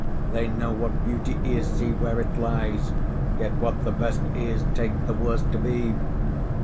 They know what beauty is, see where it lies, Yet what the best is take the worst to be.